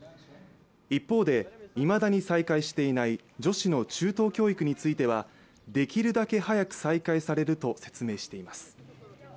一方で、いまだに再開していない女子の中等教育についてはできるだけ早く再開されると説明しています。